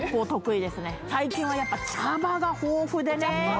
最近はやっぱ茶葉が豊富でね・お茶っ葉？